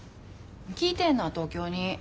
聞いてえな東京に。